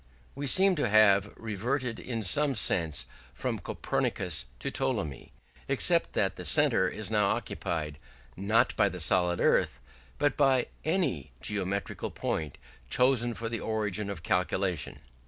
We seem to have reverted in some sense from Copernicus to Ptolemy: except that the centre is now occupied, not by the solid earth, but by any geometrical point chosen for the origin of calculation.